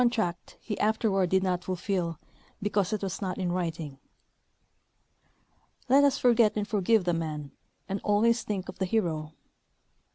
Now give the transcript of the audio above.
tract he afterward did not fulHll because it was not in writing. Let ns forget and forgive the man and always think of the hero.